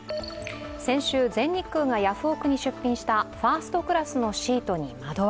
先週、全日空がヤフオク！に出品したファーストクラスのシートに窓枠。